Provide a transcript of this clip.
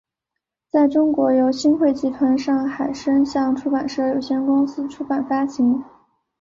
在中国由新汇集团上海声像出版社有限公司出版发行。